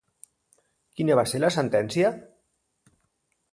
Quina va ser la sentència?